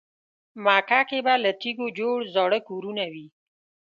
مکه کې به له تیږو جوړ زاړه کورونه وي.